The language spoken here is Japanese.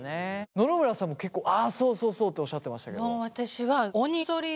野々村さんも結構「あそうそうそう」っておっしゃってましたけど。